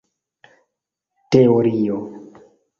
teorio